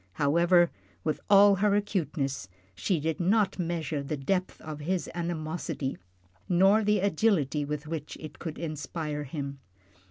However, with all her acuteness, she did not measure the depth of his animosity, nor the agility with which it could inspire him.